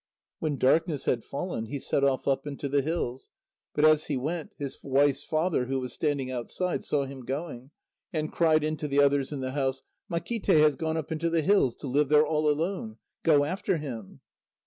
When darkness had fallen, he set off up into the hills, but as he went, his wife's father, who was standing outside, saw him going, and cried in to the others in the house: "Makíte has gone up into the hills to live there all alone. Go after him."